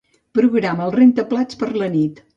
Programa el rentaplats per a la nit.